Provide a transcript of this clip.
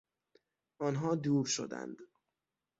آنها دور شدند.